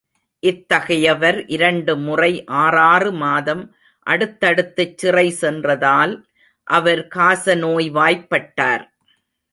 இத்தகையவர், இரண்டு முறை ஆறாறு மாதம் அடுத்தடுத்துச் சிறை சென்றதால், அவர் காசநோய்வாய் பட்டார்.